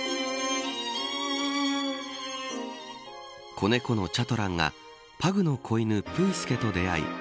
子猫のチャトランがパグの子犬、プー助と出会い